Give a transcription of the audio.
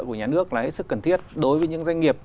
của nhà nước là hết sức cần thiết đối với những doanh nghiệp